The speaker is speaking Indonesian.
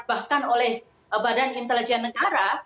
bahkan oleh badan intelijen negara